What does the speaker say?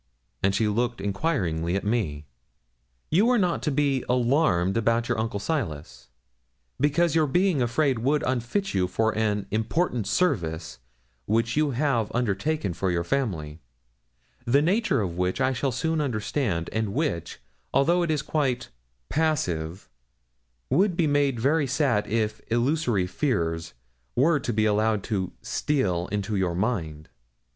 And she looked enquiringly at me. 'You are not to be alarmed about your uncle Silas, because your being afraid would unfit you for an important service which you have undertaken for your family, the nature of which I shall soon understand, and which, although it is quite passive, would be made very sad if illusory fears were allowed to steal into your mind.'